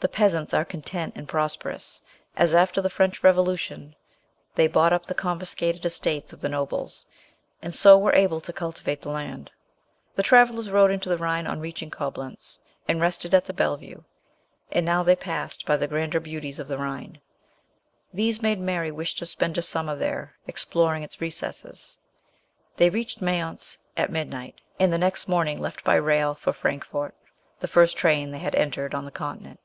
The peasants are content and prosperous, as, after the French Revolution, they bought up the confiscated estates of the nobles, and so were able to cultivate the land. The travellers rowed into the Rhine on reaching Coblentz, and rested at the Bellevue; and now they passed by the grander beauties of the Rhine. These made Mary wish to spend a summer there, ex ploring its recesses. They reached Mayence at mid night, and the next morning left by rail for Frankfort, MBS. SHELLEY. the first train they had entered on the Continent.